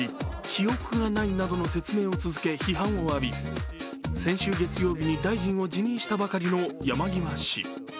記憶がないなどの説明を続け批判を浴び先週月曜日に大臣を辞任したばかりの山際氏。